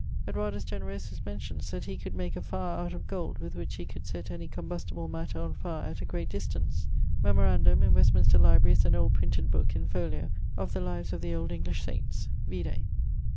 Edwardus Generosus mentions that he could make a fire out of gold, with which he could sett any combustible matter on fire at a great distance. Memorandum: in Westminster library is an old printed booke, in folio, of the lives of the old English Saints: vide.